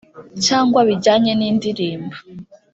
cyangwa bijyanye n indirimbo